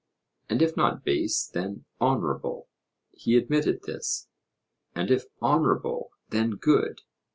And if not base, then honourable? He admitted this. And if honourable, then good?